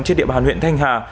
trên địa bàn huyện thanh hà